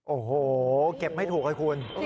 โอ้โหเก็บไม่ถูกเลยคุณ